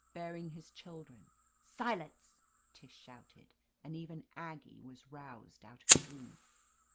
'Bearing his children —" ^Silence!" Tish shouted, and even Aggie was roused out of a dream.